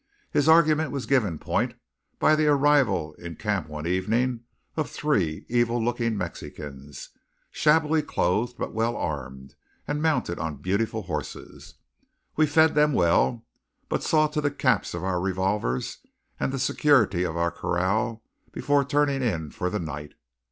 His argument was given point by the arrival in camp one evening of three evil looking Mexicans, shabbily clothed, but well armed, and mounted on beautiful horses. We fed them well, but saw to the caps of our revolvers and the security of our corral before turning in for the night.